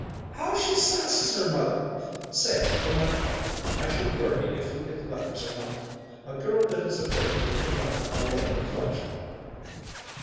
"How she sasses her mother! Say, for my part, I should worry if you get letters or not. A girl that is afraid to give her mother a little pleasure!"